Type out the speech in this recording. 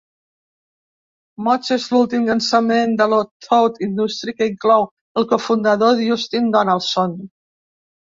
"Mods" és l'últim llançament de la Thought Industry que inclou el cofundador Dustin Donaldson.